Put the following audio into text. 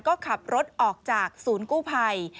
ก็ขับรถออกจากศูนย์กู้ภัย